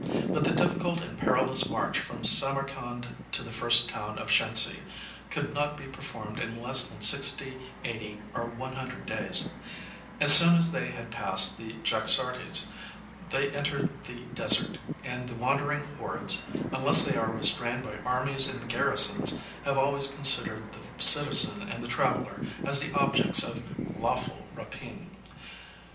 But the difficult and perilous march from Samarcand to the first town of Shensi could not be performed in less than sixty, eighty, or one hundred days: as soon as they had passed the Jaxartes they entered the desert; and the wandering hordes, unless they are restrained by armies and garrisons, have always considered the citizen and the traveler as the objects of lawful rapine.